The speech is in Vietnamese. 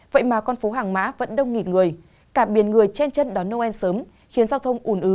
vậy mà con phố hàng má vẫn đông nghìn người cả biển người chen chân đón noel sớm